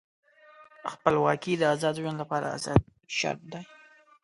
خپلواکي د آزاد ژوند لپاره اساسي شرط دی.